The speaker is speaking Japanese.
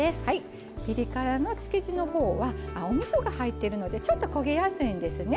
ピリ辛の漬け地のほうはおみそが入っているのでちょっと焦げやすいんですね。